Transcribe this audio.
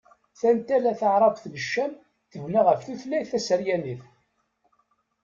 Tantala taɛrabt n Ccam tebna ɣef tutlayt taseryanit.